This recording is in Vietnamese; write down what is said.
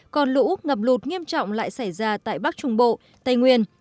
còn lũ ngập lụt nghiêm trọng lại xảy ra tại bắc trung bộ tây nguyên